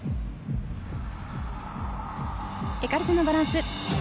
エカルテのバランス。